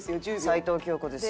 「齊藤京子です。